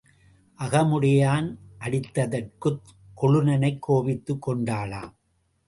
அகமுடையான் அடித்ததற்குக் கொழுநனைக் கோபித்துக் கொண்டாளாம்.